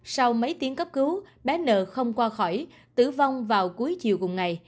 sau mấy tiếng cấp cứu bé n không qua khỏi tử vong vào cuối chiều cùng ngày